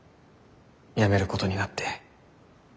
辞めることになって。